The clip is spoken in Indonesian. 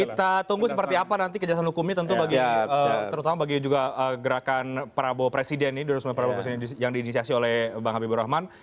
kita tunggu seperti apa nanti kejelasan hukumnya tentu bagi ya terutama bagi juga gerakan prabowo presiden ini yang diinisiasi oleh bang abipur rahman